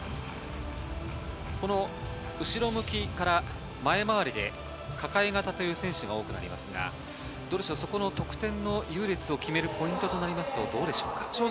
後ろ向きから前回りで、抱え型という選手が多くなりますが、得点の優劣を決めるポイントはどうでしょう？